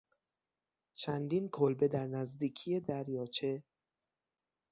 چندین کلبه در نزدیکی دریاچه